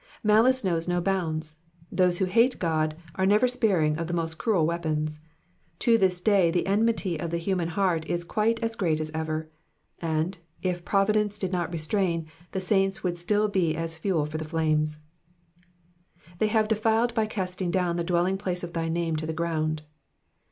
Malice knows no bounds. Those who hate God are never sparing of the most cruel weapons. To this day the enmity of the human heart is quite as great as ever ; and, if providence did not restrain, the saints would still be as fuel for the flames. 24 Digitized by VjOOQIC 370 EXPOSITIONS OF THE PSALMS. ^*'They hare defiled hy easting dottn the dieeUlng plare of thy name to the ffrofind.'